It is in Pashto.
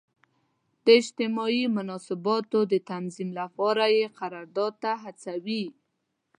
د اجتماعي مناسباتو د تنظیم لپاره یې قرارداد ته هڅوي.